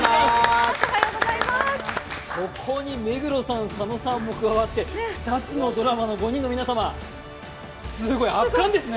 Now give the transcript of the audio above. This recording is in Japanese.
そこに目黒さん、佐野さんも加わって、２つのドラマの５人の皆様、すごい、圧巻ですね。